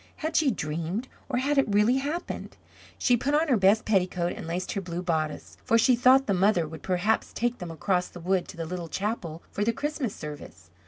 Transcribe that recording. Had she dreamed, or had it really happened? She put on her best petticoat and laced her blue bodice; for she thought the mother would perhaps take them across the wood to the little chapel for the Christmas service.